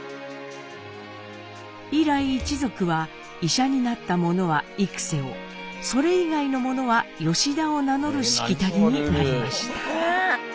以来一族は医者になった者は「幾」をそれ以外の者は「吉田」を名乗るしきたりになりました。